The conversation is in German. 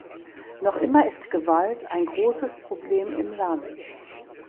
Noch immer ist Gewalt ein großes Problem im Land.